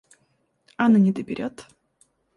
Ан и не доберет.